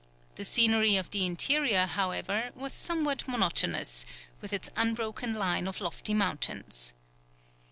The scenery of the interior, however, was somewhat monotonous, with its unbroken line of lofty mountains.